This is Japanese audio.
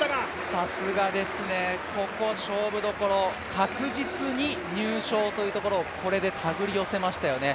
さすがですね、ここ勝負どころ確実に入賞というところを、これで手繰り寄せましたよね。